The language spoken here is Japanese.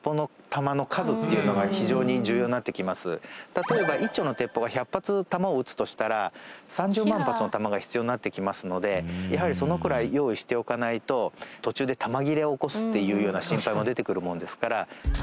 例えば１丁の鉄砲が１００発弾を撃つとしたら３０万発の弾が必要になってきますのでやはりそのくらい用意しておかないと途中で弾切れを起こすっていうような心配も出てくるものですから。